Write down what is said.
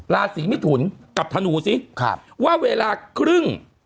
ราศีมิถุนกับธนูซิว่าเวลาครึ่ง